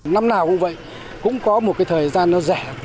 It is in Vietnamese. năm nào cũng vậy cũng có một thời gian rẻ